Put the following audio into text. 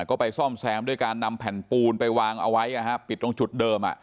ก็ไปซ่อมแซมด้วยการนำแผ่นปูนไปวางเอาไว้ปิดตรงจุดเดิม